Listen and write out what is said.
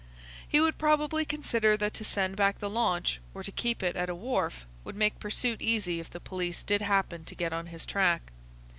He would probably consider that to send back the launch or to keep it at a wharf would make pursuit easy if the police did happen to get on his track.